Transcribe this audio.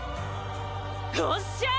おっしゃー！